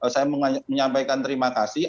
saya menyampaikan terima kasih